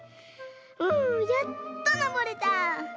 うんやっとのぼれた。